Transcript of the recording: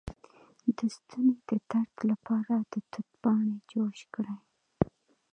د ستوني د درد لپاره د توت پاڼې جوش کړئ